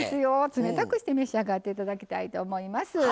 冷たくして召し上がっていただきたいと思います。